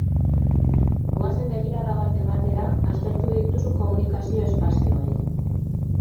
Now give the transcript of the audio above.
Goazen begirada bat ematera aztertu dituzun komunikazio espazioei.